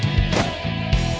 saya yang menang